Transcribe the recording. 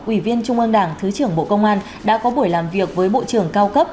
ủy viên trung ương đảng thứ trưởng bộ công an đã có buổi làm việc với bộ trưởng cao cấp